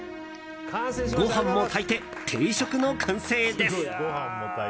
ご飯も炊いて、定食の完成です。